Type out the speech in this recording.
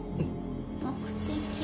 目的。